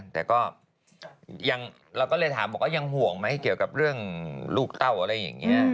แต่ก็เราก็เลยถามบอกว่ายังห่วงไหมเกี่ยวกับเรื่องลูกเต้าอะไรอย่างนี้